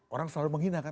orang selalu menghinangkan